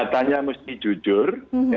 tanya mesti jujur